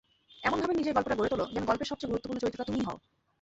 এমনভাবে নিজের গল্পটা গড়ে তোলো, যেন গল্পের সবচেয়ে গুরুত্বপূর্ণ চরিত্রটা তুমিই হও।